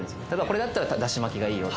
これだったらだし巻きがいいよ